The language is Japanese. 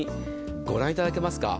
ご覧いただけますか？